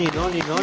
何？